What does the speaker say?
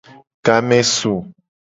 Game su.